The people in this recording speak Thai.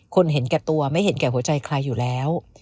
เห็นแก่ตัวไม่เห็นแก่หัวใจใครอยู่แล้ว